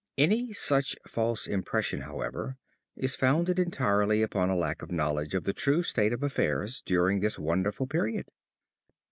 Any such false impression, however, is founded entirely upon a lack of knowledge of the true state of affairs during this wonderful period.